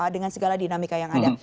dengan segala dinamika yang ada